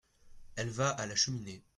Elle va à la cheminée.